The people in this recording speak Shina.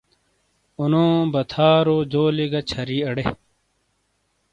اُنو، بَتھارو، جولی گا چھَری اڑے۔